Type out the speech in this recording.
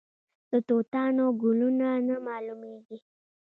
د توتانو ګلونه نه معلومیږي؟